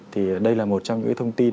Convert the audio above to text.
thì đây là một trong những thông tin